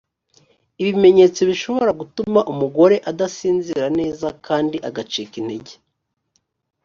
ibimenyetso bishobora gutuma umugore adasinzira neza kandi agacika intege.